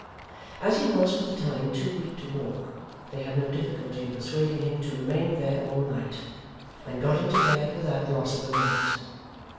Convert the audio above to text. As he was, for the time, too weak to walk, they had no difficulty in persuading him to remain there all night, and got him to bed without loss of a minute.